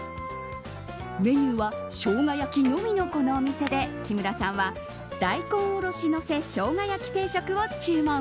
メニューはショウガ焼きのみのこのお店で、木村さんは大根おろしのせしょうが焼き定食を注文。